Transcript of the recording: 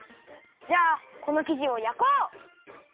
じゃあこのきじをやこう！